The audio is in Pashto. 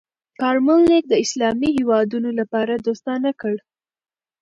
کارمل لیک د اسلامي هېوادونو لپاره دوستانه کړ.